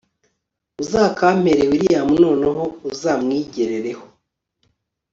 uzakampere william noneho uzamwigerereho